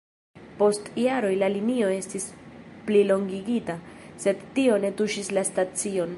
Post jaroj la linio estis plilongigita, sed tio ne tuŝis la stacion.